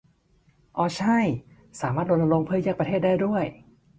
อ้อใช่ สามารถรณรงค์เพื่อแยกประเทศได้ด้วย